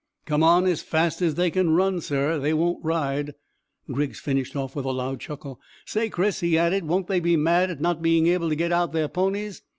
"Come on as fast as they can run, sir. They won't ride." Griggs finished off with a loud chuckle. "Say, Chris," he added, "won't they be mad at not being able to get out their ponies!"